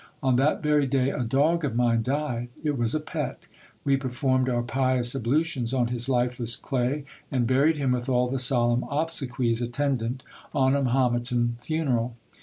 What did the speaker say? On that very day a dog of mine died — it was a pet ; we performed our pious ablutions on his lifeless clay, and buried him with all the solemn obsequies attendant on a Mahometan funeral.